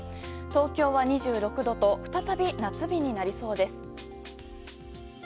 東京は２６度と再び夏日になりそうです。